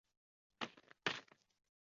父亲为北条氏直的家臣神尾伊予守荣加。